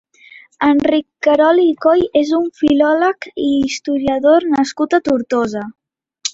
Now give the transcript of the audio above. Enric Querol i Coll és un filòleg i historiador nascut a Tortosa.